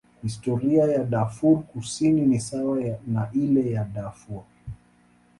Historia ya Darfur Kusini ni sawa na ile ya Darfur.